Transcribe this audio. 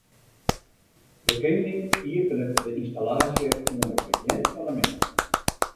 De kening iepenet de ynstallaasje oan it begjin fan de middei.